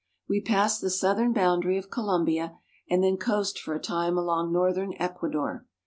We pass the southern boundary of Colom bia, and then coast for a time along northern Ecuador.